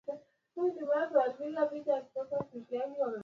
amesema hapo kabla kulikuwa na taarifa za wa